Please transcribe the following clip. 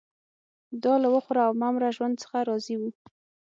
دا له وخوره او مه مره ژوند څخه راضي وو